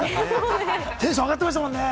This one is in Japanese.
テンション上がっていました